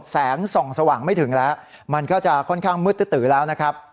แสงส่องสว่างไม่ถึงแล้วมันก็จะค่อนข้างมืดตื้อแล้วนะครับ